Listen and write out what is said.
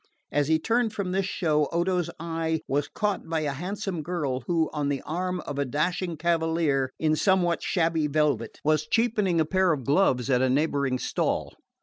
As he turned from this show Odo's eye was caught by a handsome girl who, on the arm of a dashing cavalier in somewhat shabby velvet, was cheapening a pair of gloves at a neighbouring stall.